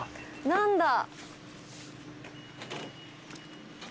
何だ？